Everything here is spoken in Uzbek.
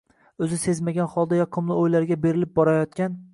O‘zi sezmagan holda yoqimli o‘ylarga berilib borayotgan